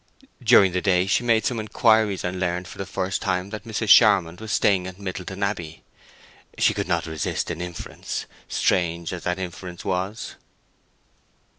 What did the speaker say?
During the day she made some inquiries, and learned for the first time that Mrs. Charmond was staying at Middleton Abbey. She could not resist an inference—strange as that inference was.